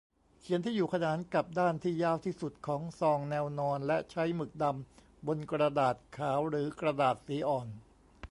เขียนที่อยู่ขนานกับด้านที่ยาวที่สุดของซอง แนวนอน และใช้หมึกดำบนกระดาษขาวหรือกระดาษสีอ่อน